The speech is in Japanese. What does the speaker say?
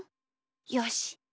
よし。